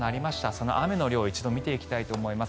その雨の量を一度見ていきたいと思います。